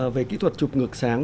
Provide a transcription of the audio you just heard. về kỹ thuật chụp ngược sáng